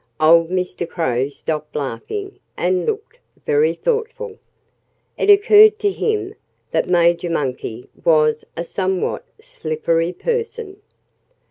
Old Mr. Crow stopped laughing and looked very thoughtful. It occurred to him that Major Monkey was a somewhat slippery person.